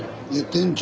店長？